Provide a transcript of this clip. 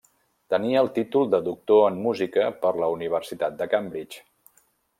Tenia el títol de doctor en música per la Universitat de Cambridge.